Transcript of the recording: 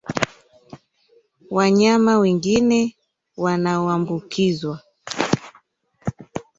Wanyama wengine wanaoambukizwa